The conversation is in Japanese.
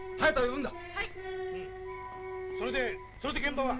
うんそれでそれで現場は？